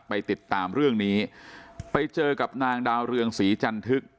ไปติดตามเรื่องนี้ไปเจอกับนางดาวเรืองศรีจันทึก